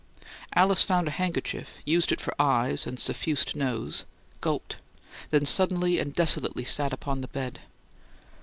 Alice found a handkerchief, used it for eyes and suffused nose, gulped, then suddenly and desolately sat upon the bed.